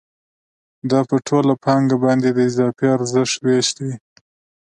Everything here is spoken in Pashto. دا په ټوله پانګه باندې د اضافي ارزښت وېش دی